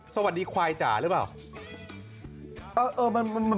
สวัสดีควายจ๋าหรือเปล่า